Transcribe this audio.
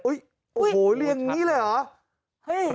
โอ้ยโอ้โหเลี่ยงนี้เลยหรอ